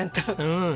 うん。